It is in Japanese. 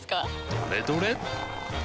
どれどれっ！